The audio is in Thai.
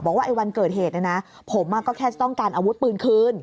บอกว่าไอ้วันเกิดเหตุนะผมก็แค่ต้องการอาวุธปืนคืน